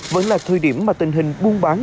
vẫn là thời điểm mà tình hình buôn bán